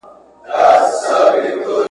¬ د نورو هغې نيمه، د انا دا يوه نيمه.